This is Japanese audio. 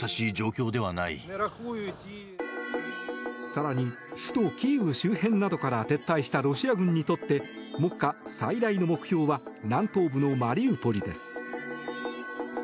更に、首都キーウ周辺などから撤退したロシア軍にとって目下、最大の目標は南東部のマリウポリです。